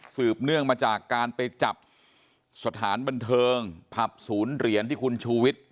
เนื่องมาจากการไปจับสถานบันเทิงผับศูนย์เหรียญที่คุณชูวิทย์